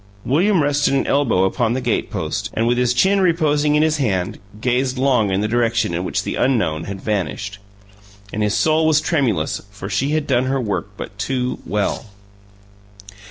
William rested an elbow upon the gate post, and with his chin reposing in his hand gazed long in the direction in which the unknown had vanished. And his soul was tremulous, for she had done her work but too well.